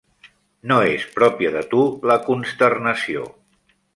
No és pròpia de tu la consternació.